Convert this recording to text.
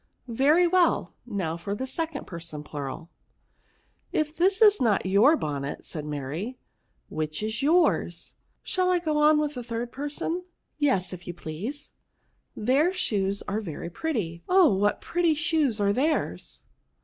" Very well ; now for the second person plural." *'' If this is not your bonnet,' " said Mary, ' which i& yours V Shall I go on with the third person?" " Yes, if you please." Hieir shoes are very pretty ; oh, what pretty shoes are theirs